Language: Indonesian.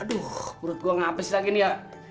aduh menurut gua gak abis lagi nih ya